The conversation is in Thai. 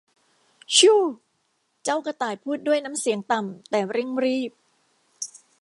ชู่ว เจ้ากระต่ายพูดด้วยน้ำเสียงต่ำแต่เร่งรีบ